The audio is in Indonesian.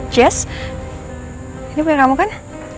jazz ini punya kamu kan